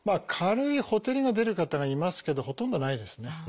軽いほてりが出る方がいますけどほとんどないですね。